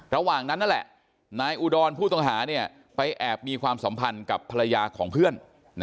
ระหว่างนั้นนั่นแหละนายอุดรผู้ต้องหาไปแอบมีความสัมพันธ์กับภรรยาของเพื่อน